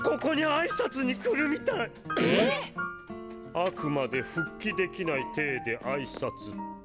あくまで復帰できない体で挨拶って！